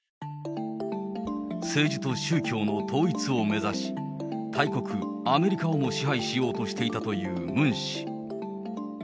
政治と宗教の統一を目指し、大国アメリカをも支配しようとしていたというムン氏。